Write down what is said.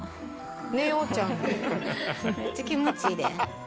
めっちゃ気持ちいいで。